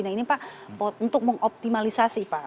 nah ini pak untuk mengoptimalisasi pak